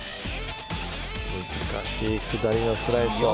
難しい下りのスライスを。